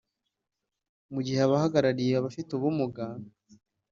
mu gihe abahagarariye abafite ubumuga